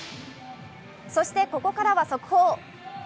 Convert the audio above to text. そしてここからは速報。